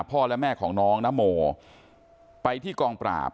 พ่อและแม่ของน้องนโมไปที่กองปราบ